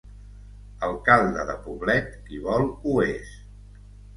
Alcalde de poblet, qui vol ho és.